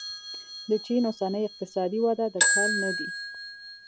د چین اوسنۍ اقتصادي وده د کل نه دی.